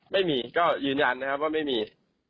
ไม่มีก็ยืนยันนะครับว่าไม่มี